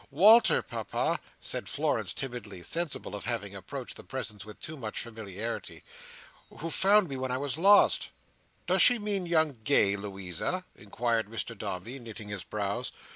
"Walter, Papa!" said Florence timidly; sensible of having approached the presence with too much familiarity. "Who found me when I was lost." "Does she mean young Gay, Louisa?" inquired Mr Dombey, knitting his brows.